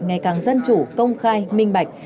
ngày càng dân chủ công khai minh bạch